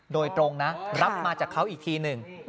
โดยตรงนะรับมาจากเขาอีกทีหนึ่ง